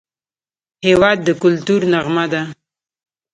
هېواد د کلتور نغمه ده.